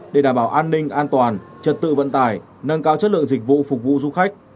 để đảm bảo an ninh an toàn trật tự vận tải nâng cao chất lượng dịch vụ phục vụ du khách